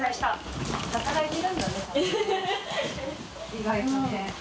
意外とね。